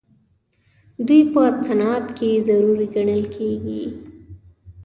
دوی په صنعت کې ضروري ګڼل کیږي.